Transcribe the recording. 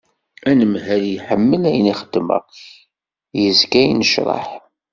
Anemhal iḥemmel ayen xeddmeɣ yezga yennecraḥ.